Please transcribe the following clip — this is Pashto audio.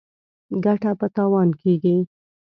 ګټه په تاوان کېږي.